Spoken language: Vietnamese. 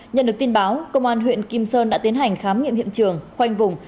nhận được tin báo công an huyện kim sơn đã tiến hành khám nghiệm hiện trường khoanh vùng